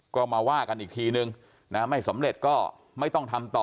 ก็มาว่ากันอีกทีนึงนะไม่สำเร็จก็ไม่ต้องทำต่อ